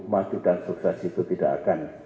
maju dan sukses itu tidak akan